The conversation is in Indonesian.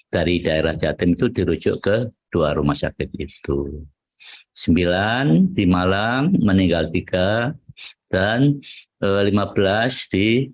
dari daerah jatim itu dirujuk ke dua rumah sakit itu sembilan di malang meninggal tiga dan lima belas di